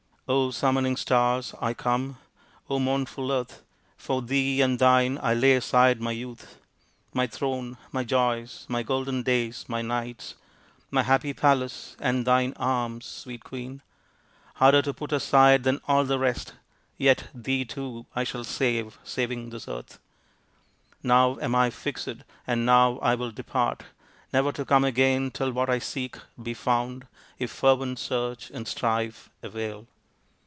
" summoning stars, I come ! mournful earth ! For thee and thine I lay aside my youth, My throne, my joys, my golden days, my nights, M 178 THE INDIAN STORY BOOK My happy palace and thine arms, sweet Queen ! Harder to put aside than all the rest ! Yet thee, too, I shall save, saving this earth ; Now am I fixed, and now I will depart, Never to come again, till what I seek Be found if fervent search and strife avail."